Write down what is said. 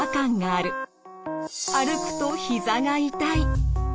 歩くとひざが痛い。